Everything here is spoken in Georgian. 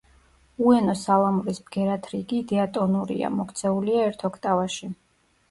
უენო სალამურის ბგერათრიგი დიატონურია, მოქცეულია ერთ ოქტავაში.